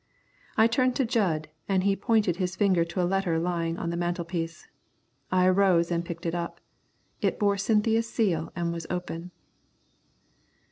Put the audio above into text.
I turned to Jud, and he pointed his finger to a letter lying on the mantelpiece. I arose and picked it up. It bore Cynthia's seal and was open.